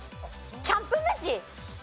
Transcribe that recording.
キャンプ飯。